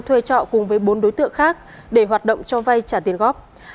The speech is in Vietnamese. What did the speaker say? thuê trọ cùng với bốn đối tượng khác để hoạt động cho vay trả tiền góp